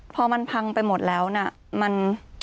พอมันพังไปหมดแล้วเนี่ยมัน